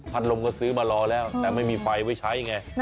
ลมก็ซื้อมารอแล้วแต่ไม่มีไฟไว้ใช้ไง